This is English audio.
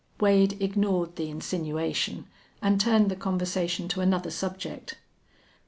Wade ignored the insinuation and turned the conversation to another subject.